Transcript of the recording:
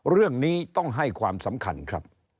เรื่องนี้ต้องให้ความสำคัญครับ